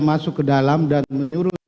masuk ke dalam dan menurut